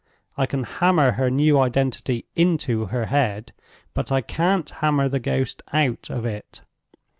I can hammer her new identity into her head, but I can't hammer the ghost out of it.